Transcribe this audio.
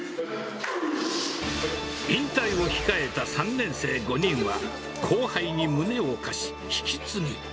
引退を控えた３年生５人は、後輩に胸を貸し、引き継ぎ。